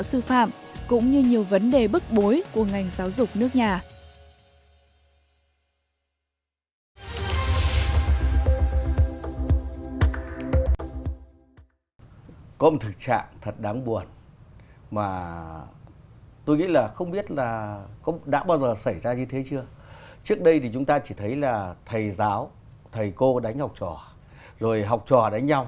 tạo sư phạm cũng như nhiều vấn đề bức bối của ngành giáo dục nước nhà